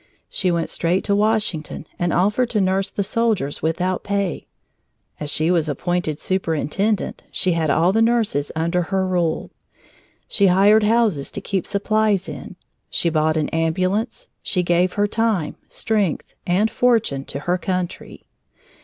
She went straight to Washington and offered to nurse the soldiers without pay. As she was appointed superintendent, she had all the nurses under her rule. She hired houses to keep supplies in, she bought an ambulance, she gave her time, strength, and fortune to her country.